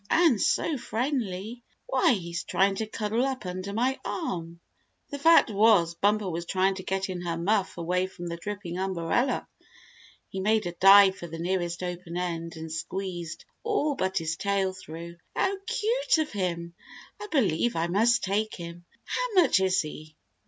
"And so friendly! Why, he's trying to cuddle up under my arm." The fact was, Bumper was trying to get in her muff away from the dripping umbrella. He made a dive for the nearest open end, and squeezed all but his tail through. "How cute of him! I believe I must take him. How much is he?"